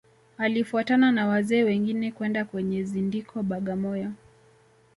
Alifuatana na wazee wengine kwenda kwenye zindiko Bagamoyo